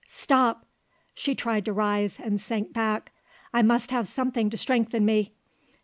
Stop!" She tried to rise, and sank back. "I must have something to strengthen me.